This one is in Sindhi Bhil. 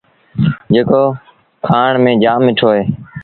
جيڪو کآڻ ميݩ جآم مٺو اهي۔